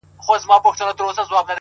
زړورتیا د وېرو ماتولو نوم دی.!